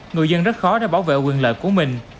người dân rất khó để bảo vệ quyền lợi của mình